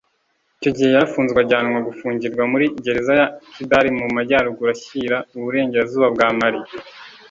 Icyo gihe yarafunzwe ajyanwa gufungirwa muri gereza ya Kidal mu majyaruguru ashyira iburasirazuba bwa Mali